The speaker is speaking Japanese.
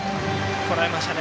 こらえましたね。